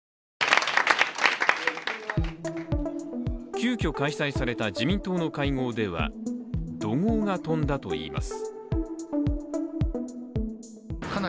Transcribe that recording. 急きょ開催された自民党の会合では怒号が飛んだといいます。